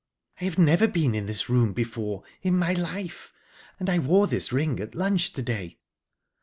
"I have never been in this room before in my life. And I wore this ring at lunch to day."